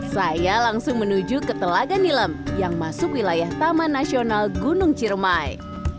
saya langsung menuju ke telaga nilem yang masuk wilayah taman nasional gunung ciremai